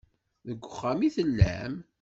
Deg uxxam i tellam?